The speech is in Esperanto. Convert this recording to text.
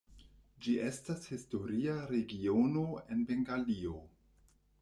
Ĝi estas historia regiono en Bengalio.